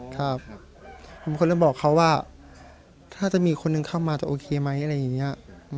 ผมเป็นคนเริ่มบอกเขาว่าถ้าจะมีคนนึงเข้ามาจะโอเคไหมอะไรอย่างนี้